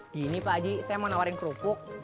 gini pak haji saya mau nawarin kerupuk